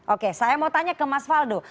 oke saya mau tanya ke mas faldo